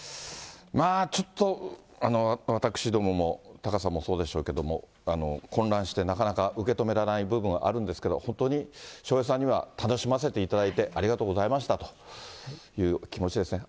まあ、ちょっと私どももタカさんもそうでしょうけども、混乱してなかなか受け止められない部分はあるんですけど、本当に笑瓶さんには楽しませていただいて、ありがとうございましたという気持ちですね。